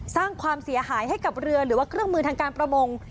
สร้างความเสียหายให้กับเรือหรือว่าเครื่องมือทางการประมง